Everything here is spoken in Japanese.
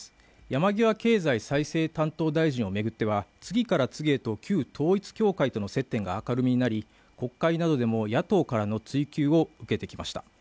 山際経済財政担当大臣を巡っては、次から次へと旧統一教会との接点が明るみになり国会などでも野党からの追及を受けてきました。